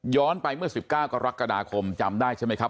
ไปเมื่อ๑๙กรกฎาคมจำได้ใช่ไหมครับ